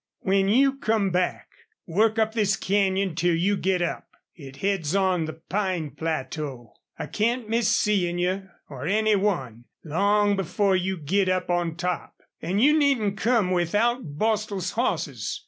"When you come back, work up this canyon till you git up. It heads on the pine plateau. I can't miss seein' you, or any one, long before you git up on top. An' you needn't come without Bostil's hosses.